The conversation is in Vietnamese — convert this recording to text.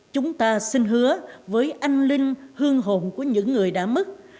chúng ta xin hứa với anh linh hương hồn của những người đã mất